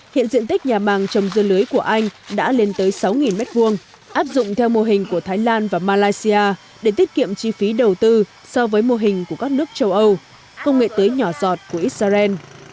hiện diện tích nhà màng trồng dưa lưới của anh đã lên tới sáu m hai áp dụng theo mô hình của thái lan và malaysia để tiết kiệm chi phí đầu tư so với mô hình của các nước châu âu công nghệ tưới nhỏ giọt của israel